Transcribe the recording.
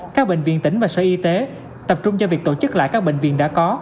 các bệnh viện tỉnh và sở y tế tập trung cho việc tổ chức lại các bệnh viện đã có